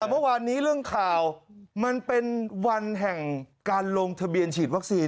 แต่เมื่อวานนี้เรื่องข่าวมันเป็นวันแห่งการลงทะเบียนฉีดวัคซีน